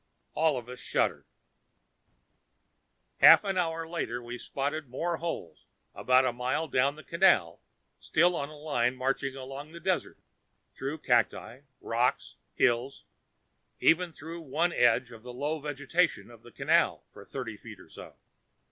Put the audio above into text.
All of us shuddered. Half an hour later, we spotted more holes, about a mile down the 'canal,' still on a line, marching along the desert, through cacti, rocks, hills, even through one edge of the low vegetation of the 'canal' for thirty feet or so.